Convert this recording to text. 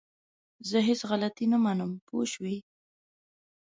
زه هيڅ غلطي نه منم! پوه شوئ!